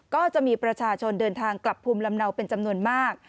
ก็จะมีประชาชนเดินทางกลับภูมิลำเนาเป็นจำนวนมาก